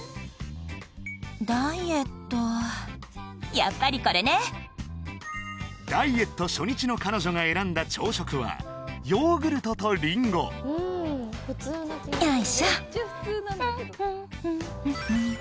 やっぱりこれねダイエット初日の彼女が選んだ朝食はヨーグルトとリンゴよい